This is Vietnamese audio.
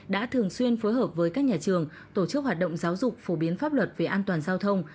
đã thường xuyên phối hợp với các nhà trường tổ chức hoạt động giáo dục phổ biến pháp luật về an toàn giao thông